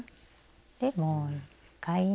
でもう１回。